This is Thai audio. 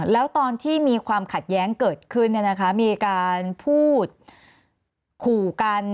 แล้วตอนที่มีความขัดแย้งเกิดขึ้นมีการพูดขู่กัน